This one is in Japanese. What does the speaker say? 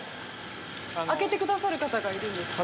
開けてくださる方がいるんですか。